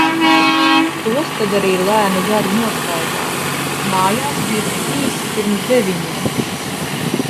Tos tad arī lēnu garu nostaigāju. Mājās biju tik īsi pirms deviņiem.